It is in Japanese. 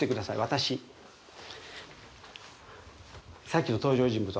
さっきの登場人物